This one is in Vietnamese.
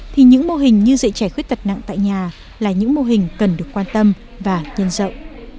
thì những mô hình như dạy trẻ khuyết tật nặng tại nhà là những mô hình cần được quan tâm và nhân rộng